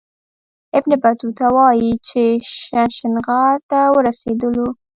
ابن بطوطه وايي چې ششنغار ته ورسېدلو.